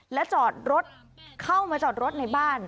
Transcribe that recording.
และจอดรถเข้ามาจอดรถในบ้าน